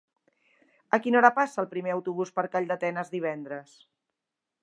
A quina hora passa el primer autobús per Calldetenes divendres?